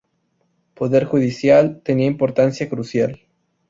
Poder judicial: tenía importancia crucial.